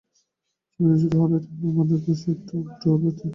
ছবিটি শুরু হলে টের পাই, মনের কুয়াশা একটু একটু করে কাটছে।